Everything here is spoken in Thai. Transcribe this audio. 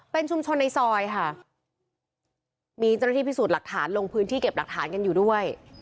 เป็นชุมชนในซอยค่ะมีเจ้าหน้าที่พิสูจน์หลักฐานลงพื้นที่เก็บหลักฐานกันอยู่ด้วย